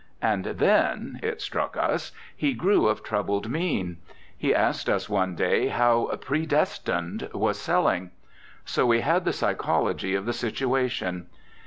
And then, it struck us, he grew of troubled mien. He asked us one day how "Predestined" was selling. So we had the psychology of the situation.